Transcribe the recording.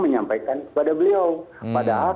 menyampaikan kepada beliau padahal